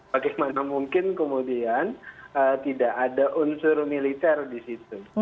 bagaimana mungkin kemudian tidak ada unsur militer di situ